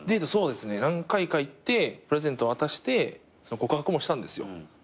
そうですね何回か行ってプレゼント渡して告白もしたんですよ